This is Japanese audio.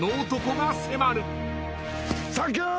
サンキュー！